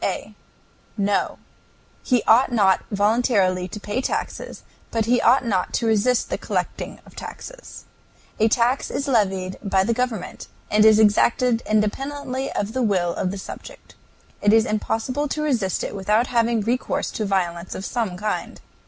A. No; he ought not voluntarily to pay taxes, but he ought not to resist the collecting of taxes. A tax is levied by the government, and is exacted independently of the will of the subject. It is impossible to resist it without having recourse to violence of some kind.